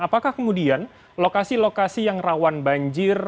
apakah kemudian lokasi lokasi yang rawan banjir